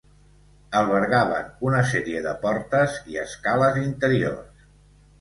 Albergaven una sèrie de portes i escales interiors.